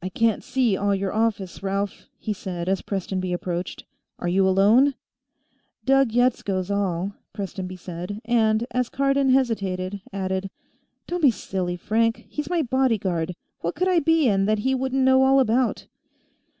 "I can't see all your office, Ralph," he said as Prestonby approached. "Are you alone?" "Doug Yetsko's all," Prestonby said, and, as Cardon hesitated, added: "Don't be silly, Frank; he's my bodyguard. What could I be in that he wouldn't know all about?"